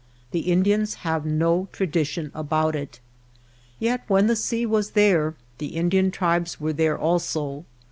The Indians have no tra dition about it. Yet when the sea was there the Indian tribes were there also.